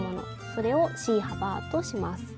それをＣ幅とします。